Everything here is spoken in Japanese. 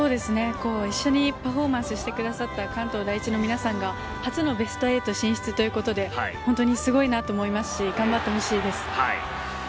一緒にパフォーマンスしてくださった関東第一の皆さんが初のベスト８進出ということで本当にすごいなと思いますし、頑張ってほしいです。